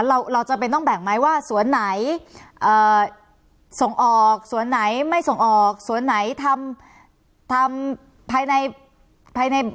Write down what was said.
เราจะเป็นต้องแบ่งไหมว่าสวนไหนส่งออกสวนไหนไม่ส่งออกสวนไหนทำภายใน